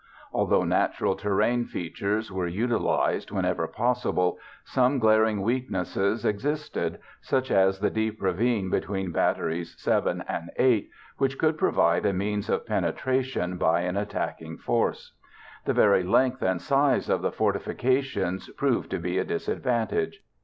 Although natural terrain features were utilized whenever possible, some glaring weaknesses existed, such as the deep ravine between Batteries 7 and 8, which could provide a means of penetration by an attacking force. The very length and size of the fortifications proved to be a disadvantage.